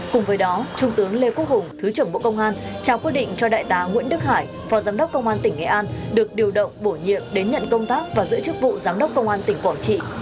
cùng với đó trung tướng lê quốc hùng thứ trưởng bộ công an trao quyết định cho đại tá nguyễn đức hải phó giám đốc công an tỉnh nghệ an được điều động bổ nhiệm đến nhận công tác và giữ chức vụ giám đốc công an tỉnh quảng trị